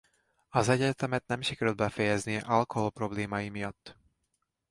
Az egyetemet nem sikerült befejeznie alkoholproblémái miatt.